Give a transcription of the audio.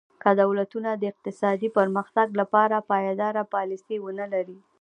که دولتونه د اقتصادي پرمختګ لپاره پایداره پالیسي ونه لري.